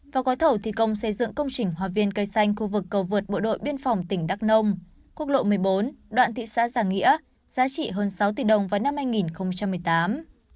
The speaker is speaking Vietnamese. vào gói thầu thi công xây dựng công trình hòa viên cây xanh khu vực cầu vượt bộ đội biên phòng tỉnh đắk nông quốc lộ một mươi bốn đoạn thị xã giang nghĩa giá trị hơn sáu tỷ đồng vào năm hai nghìn một mươi tám